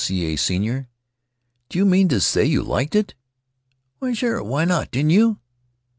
C. A. senior. "Do you mean to say you liked it?" "Why, sure! Why not? Didn't you?"